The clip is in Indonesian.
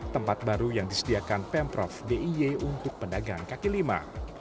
tempat baru yang disediakan pemprov diy untuk pedagangan kaki lima